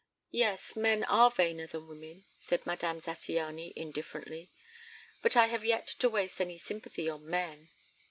"Yes, men are vainer than women," said Madame Zattiany indifferently. "But I have yet to waste any sympathy on men.